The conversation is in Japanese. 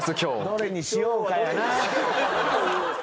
どれにしようかやな。